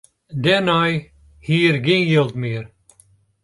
Dêrnei hie er gjin jild mear.